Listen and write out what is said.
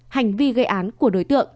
hành vi gây án của đối tượng